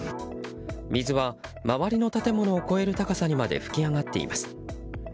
水は周りの建物を超える高さにまで噴き上がっています。